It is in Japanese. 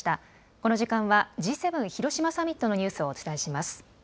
この時間はＧ７広島サミットのニュースをお伝えします。